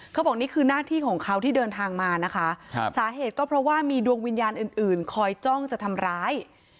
เขาบอกนี่คือหน้าที่ของเขาที่เดินทางมานะคะสาเหตุก็เพราะว่ามีดวงวิญญาณอื่นคอยจ้องจะทำร้าย